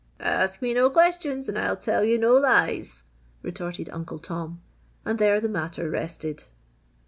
"Ask me no questions and I'll tell you no lies!" retorted Uncle Tom, and there the matter rested.